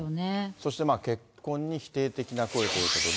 そして結婚に否定的な声ということで。